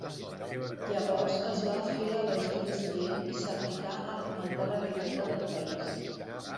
Llavors es va fer elegir president i s'aplicà a fomentar la riquesa del país.